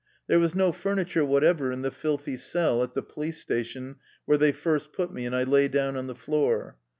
There was no furniture whatever in the filthy cell at the police station where they first put me, and I lay down on the floor.